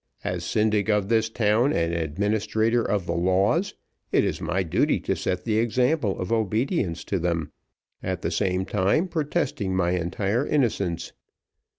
As syndic of this town, and administrator of the laws, it is my duty to set the example of obedience to them, at the same time protesting my entire innocence.